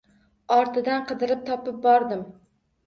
Ortidan qidirib topib bordim